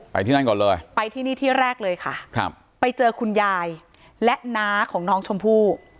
ที่นั่นก่อนเลยไปที่นี่ที่แรกเลยค่ะครับไปเจอคุณยายและน้าของน้องชมพู่